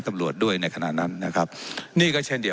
เจ้าหน้าที่ของรัฐมันก็เป็นผู้ใต้มิชชาท่านนมตรี